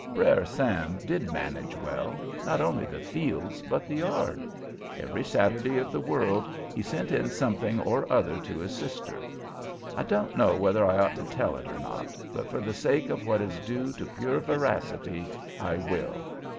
Brer Sam did manage well, not only the fields, but the yard. Every Saturday of the world he sent in something or other to his sister. I don't know whether I ought to tell it or not, but for the sake of what is due to pure veracity I will.